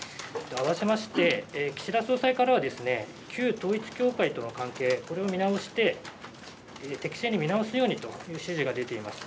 併せまして、岸田総裁からは、旧統一教会との関係、これを見直して、適正に見直すようにという指示が出ています。